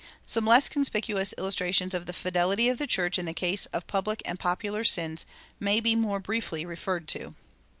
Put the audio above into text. Some less conspicuous illustrations of the fidelity of the church in the case of public and popular sins may be more briefly referred to.